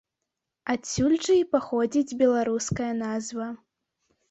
Адсюль жа паходзіць і беларуская назва.